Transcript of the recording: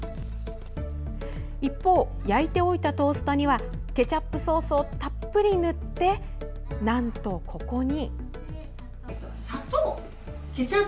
一方、焼いておいたトーストにはケチャップソースをたっぷり塗ってなんとここに。